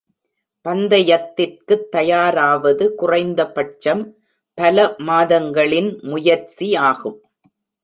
பந்தயத்திற்குத் தயாராவது குறைந்தபட்சம் பல மாதங்களின் முயற்சி ஆகும்.